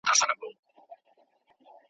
ځان به ولي د ښکاری و تور ته ورکړي ,